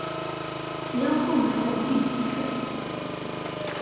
只要購買網域即可